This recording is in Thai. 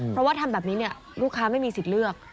เพราะว่าทำแบบนี้ลูกค้าไม่มีสิทธิ์เลือก